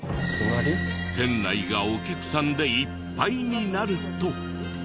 店内がお客さんでいっぱいになると。